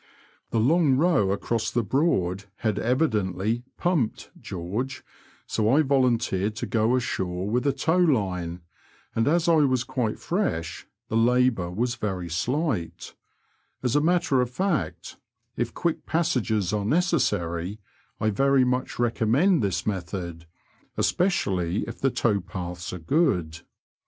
The long row across the Broad had evidently "pumped" George, so I volunteered to go ashore with a tow line, and as I was quite firesh, the labour was very slight ; as a matter of fact, if quick passages are necessary, I very much recommend this method, especially if the towpaths are good.